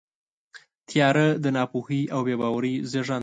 تیاره د ناپوهۍ او بېباورۍ زېږنده ده.